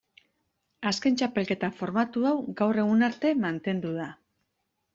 Azken txapelketa formatu hau gaur egun arte mantendu da.